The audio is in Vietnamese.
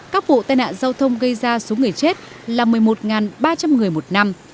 các vụ tai nạn giao thông gây ra số người chết là một mươi một ba trăm linh người một năm